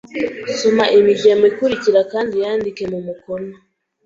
Soma imigemo ikurikira kandi uyandike mu mukono